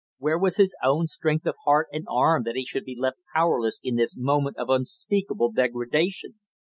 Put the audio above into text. Where was his own strength of heart and arm that he should be left powerless in this moment of unspeakable degradation?